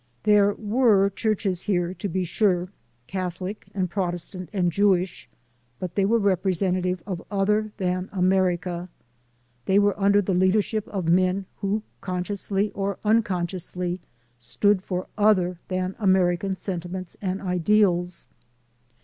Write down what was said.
There were churches here, to be sure, Catholic and Protestant and Jewish, but they were representative of other than America; they were under the leadership of men who, consciously or unconsciously, stood for other than American sentiments and ideals.